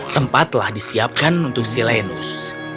tempat telah disiapkan untuk silenus